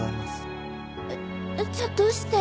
じゃあどうして？